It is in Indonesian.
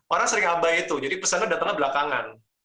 orang sering abai itu jadi pesannya datangnya belakangan